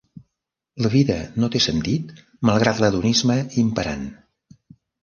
La vida no té sentit malgrat l'hedonisme imperant.